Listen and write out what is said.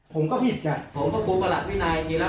ผมก็ผิดก่อน